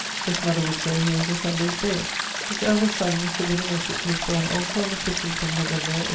His mother would say he was a Sundaye's bird. His eldest son, Mr. William Ettrick, was borne also on the 15 of November, A.